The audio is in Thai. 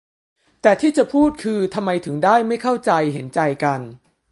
แต่ที่จะพูดคือ ทำไมถึงได้ไม่เข้าใจเห็นใจกัน